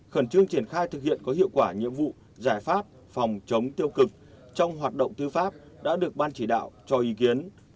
khẩn trương triển khai thực hiện có hiệu quả nhiệm vụ giải pháp phòng chống tiêu cực trong hoạt động tư pháp đã được ban chỉ đạo cho ý kiến